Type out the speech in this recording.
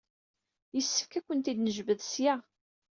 Yessefk ad kent-id-nejbed ssya.